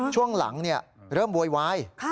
ช่วงหลังเริ่มโวยวาย